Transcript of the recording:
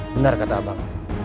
benar kata abang